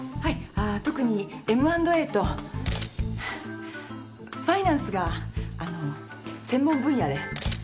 あー特にＭ＆Ａとファイナンスがあの専門分野で。